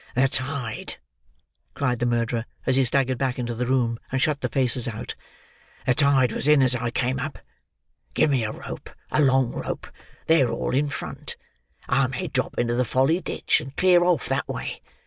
"The tide," cried the murderer, as he staggered back into the room, and shut the faces out, "the tide was in as I came up. Give me a rope, a long rope. They're all in front. I may drop into the Folly Ditch, and clear off that way.